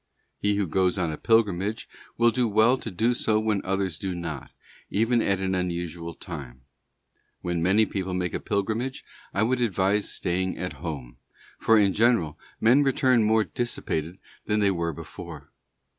He who goes on a pilgrimage, will do well to do so when others do not, even at an unusual time. When many people make a pilgrimage, I would advise staying at home, for in general, men return more dissipated than they were before.